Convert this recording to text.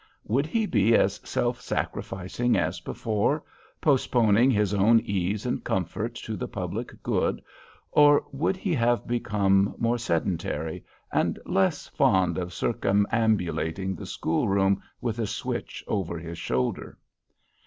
Would he be as self sacrificing as before, postponing his own ease and comfort to the public good, or would he have become more sedentary, and less fond of circumambulating the school room with a switch over his shoulder?